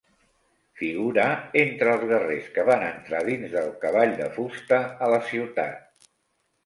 Figura entre els guerrers que van entrar dins del cavall de fusta a la ciutat.